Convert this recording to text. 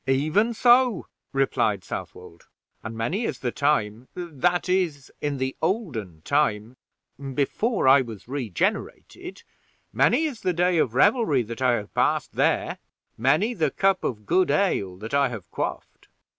"Even so," replied Southwold; "and many is the time that is, in the olden time, before I was regenerated many is the day of revelry that I have passed there; many the cup of good ale that I have quaffed."